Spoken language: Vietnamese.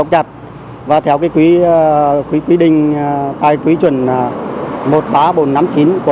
đến nhóm tám